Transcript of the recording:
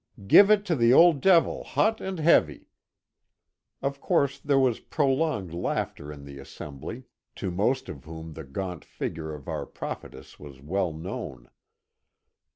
" Give it to the old devil hot and heavy !" Of course there was prolonged laughter in the assembly, to most of whom the gaunt figure of our prophetess was well known.